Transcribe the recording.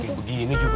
kalian begini juga